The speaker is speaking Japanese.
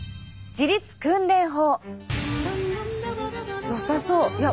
自律訓練法。